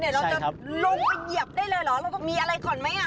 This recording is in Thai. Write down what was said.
เราจะลงไปเหยียบได้เลยหรือเราต้องมีอะไรก่อนไหม